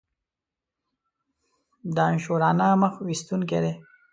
دانشورانه مخ ویستونکی دی.